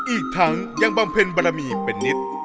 อีกทั้งยังบำเพ็ญบารมีเป็นนิต